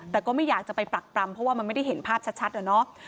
แต่ก็ไม่อยากจะไปปรักปรำเพราะว่ามันไม่ได้เห็นภาพชัดอะเนาะ